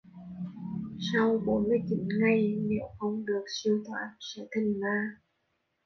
sau bốn mươi chín ngày nếu không được siêu thoát sẽ thành ma